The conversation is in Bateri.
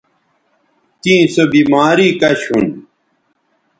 تیں سو بیماری کش ھون